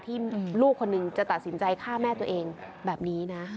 ลูกคนหนึ่งจะตัดสินใจฆ่าแม่ตัวเองแบบนี้นะ